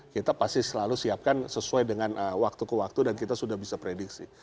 kita pasti selalu siapkan sesuai dengan waktu ke waktu dan kita sudah bisa prediksi